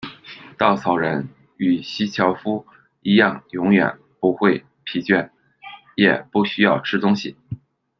稻草人与锡樵夫一样都永远不会疲倦，也不需要吃东西。